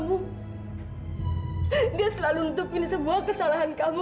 ibu dia selalu untuk ini semua kesalahan kamu